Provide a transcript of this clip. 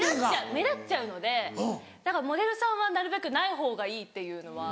目立っちゃうのでモデルさんはなるべくないほうがいいっていうのは。